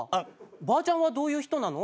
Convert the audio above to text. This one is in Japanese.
ばあちゃんはどういう人なの？